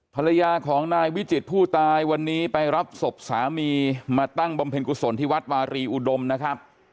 ภรรยาของนายวิจิตรผู้ตายวันนี้ไปรับศพสามีมาตั้งบำเพ็ญกุศลที่วัดวารีอุดมนะครับ